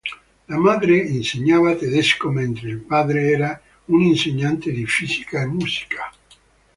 La madre insegnava tedesco mentre il padre era un insegnante di fisica e musica.